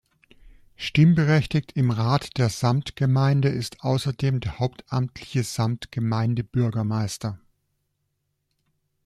Stimmberechtigt im Rat der Samtgemeinde ist außerdem der hauptamtliche Samtgemeindebürgermeister.